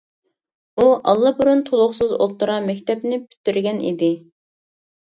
ئۇ ئاللىبۇرۇن تولۇقسىز ئوتتۇرا مەكتەپنى پۈتتۈرگەن ئىدى.